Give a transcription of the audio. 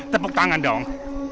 tepuk tangan dong